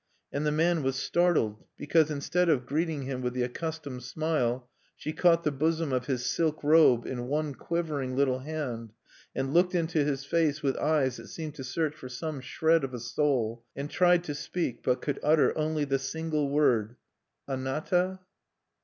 And the man was startled, because instead of greeting him with the accustomed smile, she caught the bosom of his silk robe in one quivering little hand, and looked into his face with eyes that seemed to search for some shred of a soul, and tried to speak, but could utter only the single word, "_Anata(1)?